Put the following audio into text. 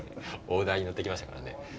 大台に乗ってきましたからね。